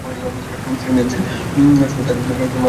সিমব্ল্যান্সের কাজ করার তরিকা মাথা ঘুরিয়ে দেওয়ার মতো।